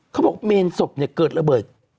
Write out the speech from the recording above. เขาบอกเมนศพเนี่ยเกิดระเบิด